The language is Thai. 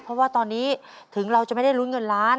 เพราะว่าตอนนี้ถึงเราจะไม่ได้ลุ้นเงินล้าน